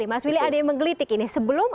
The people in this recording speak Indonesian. mas willy ada yang menggelitik ini sebelum